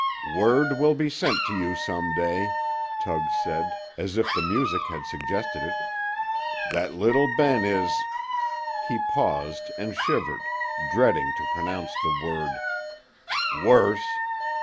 "Word will be sent to you some day," Tug said, as if the music had suggested it, "that little Ben is " he paused, and shivered, dreading to pronounce the word "worse.